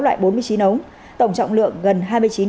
loại bốn mươi chín ống tổng trọng lượng gần